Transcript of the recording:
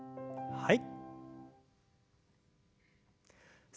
はい。